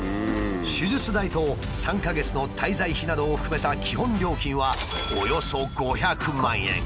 手術代と３か月の滞在費などを含めた基本料金はおよそ５００万円。